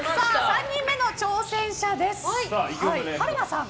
３人目の挑戦者です。